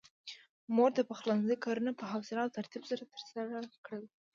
مور د پخلنځي کارونه په حوصله او ترتيب سره ترسره کړل.